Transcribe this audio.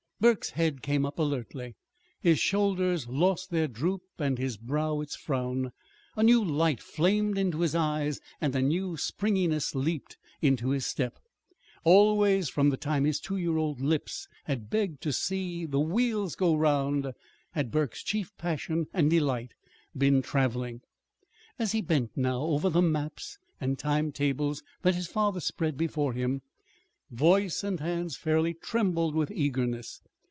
Burke's head came up alertly. His shoulders lost their droop and his brow its frown. A new light flamed into his eyes and a new springiness leaped into his step. Always, from the time his two year old lips had begged to "see the wheels go 'round," had Burke's chief passion and delight been traveling. As he bent now over the maps and time tables that his father spread before him, voice and hands fairly trembled with eagerness.